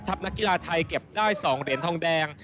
นักกีฬาไทยเก็บได้๒เหรียญทองแดง